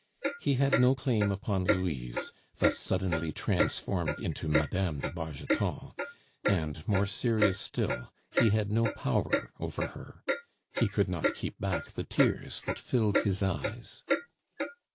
He had no claim upon Louise thus suddenly transformed into Mme. de Bargeton, and, more serious still, he had no power over her. He could not keep back the tears that filled his eyes.